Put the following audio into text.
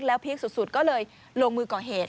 พีคสุดก็เลยลงมือก่อเหตุ